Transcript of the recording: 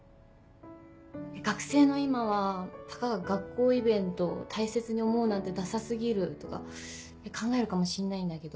学生の今はたかが学校イベントを大切に思うなんてダサ過ぎるとか考えるかもしんないんだけど